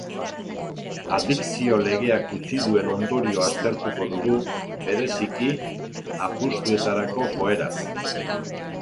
Adikzio legeak utzi duen ondorioa aztertuko dugu, bereziki, apustuetarako joeraz.